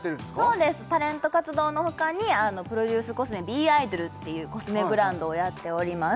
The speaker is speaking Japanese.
そうですタレント活動のほかにプロデュースコスメｂｉｄｏｌっていうコスメブランドをやっております